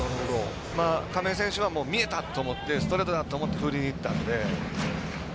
亀井選手は見えたと思ってストレートだと思って振りにいったので。